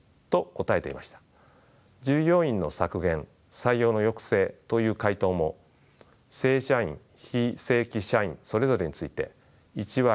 従業員の「削減・採用の抑制」という回答も正社員非正規社員それぞれについて１割強となっています。